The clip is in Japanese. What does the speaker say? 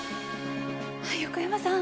横山さん